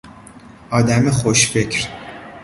آدم خوش فکر